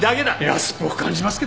安っぽく感じますけどね。